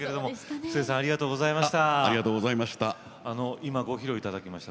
布施さんありがとうございました。